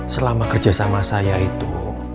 selama kerja sama saya itu